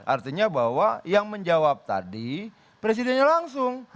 artinya bahwa yang menjawab tadi presidennya langsung